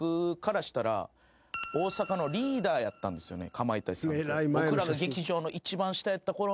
かまいたちさんって。